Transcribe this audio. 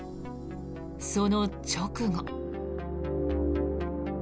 その直後。